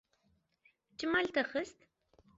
Çima li te xist?